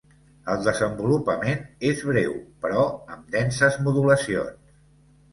El desenvolupament és breu, però amb denses modulacions.